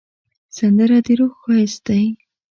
سندره د روح ښایست دی